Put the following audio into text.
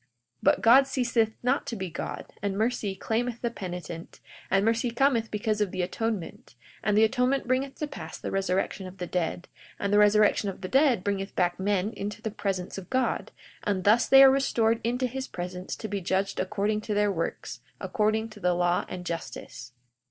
42:23 But God ceaseth not to be God, and mercy claimeth the penitent, and mercy cometh because of the atonement; and the atonement bringeth to pass the resurrection of the dead; and the resurrection of the dead bringeth back men into the presence of God; and thus they are restored into his presence, to be judged according to their works, according to the law and justice.